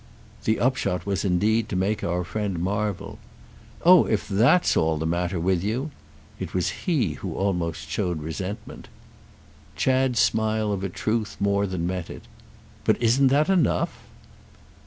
The upshot was indeed to make our friend marvel. "Oh if that's all that's the matter with you—!" It was he who almost showed resentment. Chad's smile of a truth more than met it. "But isn't that enough?"